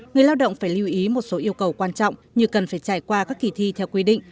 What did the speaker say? người lao động phải lưu ý một số yêu cầu quan trọng như cần phải trải qua các kỳ thi theo quy định